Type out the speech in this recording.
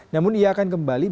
namun ia akan kembali